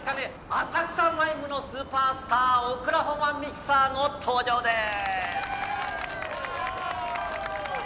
浅草マイムのスーパースターオクラホマミキサーの登場です！」